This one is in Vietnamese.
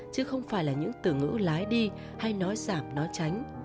chứ không phải là những từ ngữ lái đi hay nói giảm nó tránh